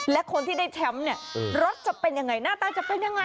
และคนที่ได้แชมป์เนี่ยรถจะเป็นยังไงหน้าตาจะเป็นยังไง